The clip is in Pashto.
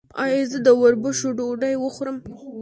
ایا زه د وربشو ډوډۍ وخورم؟